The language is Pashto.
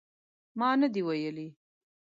ما نه دي ویلي